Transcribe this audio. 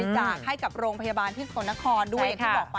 เจอกันด้วยค่ะ